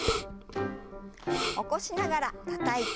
起こしながらたたいて。